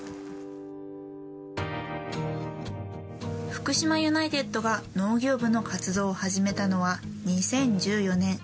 福島ユナイテッドが農業部の活動を始めたのは２０１４年。